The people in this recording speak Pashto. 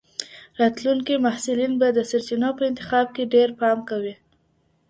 راتلونکي محصلین به د سرچینو په انتخاب کي ډېر پام کوي.